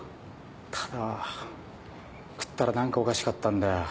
ただ食ったら何かおかしかったんだよ。